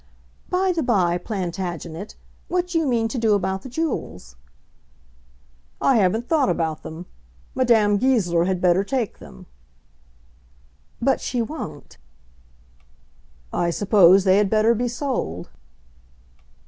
"By the bye, Plantagenet, what do you mean to do about the jewels?" "I haven't thought about them. Madame Goesler had better take them." "But she won't." "I suppose they had better be sold."